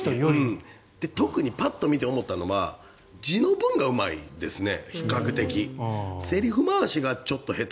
特にパッと見て思ったのが地の文がうまいですね